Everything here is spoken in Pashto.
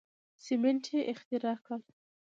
سیمنټ یې اختراع کړل.